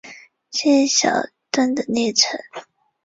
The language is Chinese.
去小樽的列车